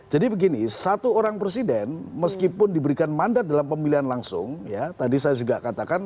jadi begini satu orang presiden meskipun diberikan mandat dalam pemilihan langsung ya tadi saya juga katakan